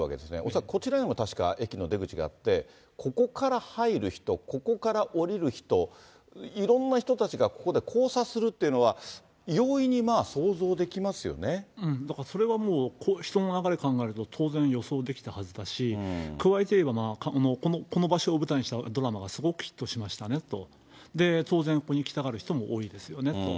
恐らくこちらにも駅の出口があって、ここから入る人、ここから降りる人、いろんな人たちがここで交差するっていうのは、だからそれはもう、人の流れ考えると、当然予想できたはずだし、加えていえば、この場所を舞台にしたドラマがすごくヒットしましたねと、当然、来たがる人も多いですよねと。